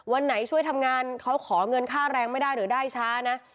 วันไหนช่วยทำงานเขาขอเงินค่าแรงไม่ได้หรือได้ช้านะ